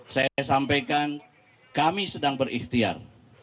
saya sampaikan kami sedang berikhtiar